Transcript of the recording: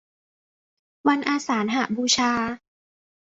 วันอาสาฬหบูชา